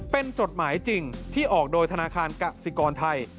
เป็นจดหมายจริงที่ออกโดยธนาคารกสิกรไทย